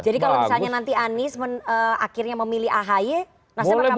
jadi kalau misalnya nanti anies akhirnya memilih ahy nasdem akan menerima